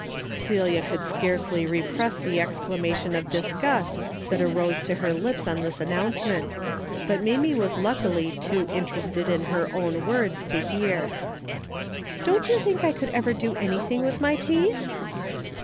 Celia could scarcely repress the exclamation A DAILY RATE:^ 237 of disgust that rose to her lips on this an nouncement, but Mamie was luckily too in terested in her own words to hear. " Don't you think I could ever do anything with my teeth